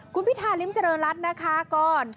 คุณพิธาริมเจริญรัฐนะคะก่อน